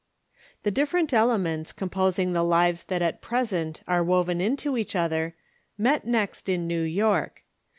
The different elements composing the lives that at present are woven into each other, met next in New York.